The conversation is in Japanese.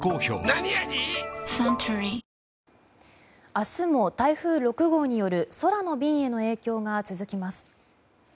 明日も台風６号による空の便への影響が続きます。